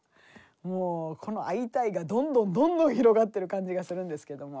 もうこの「アイタイ！」がどんどんどんどん広がってる感じがするんですけども。